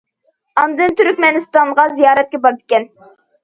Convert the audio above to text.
ئاندىن تۈركمەنىستانغا زىيارەتكە بارىدىكەن.